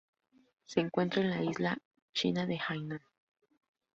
Se encuentra en la isla China de Hainan.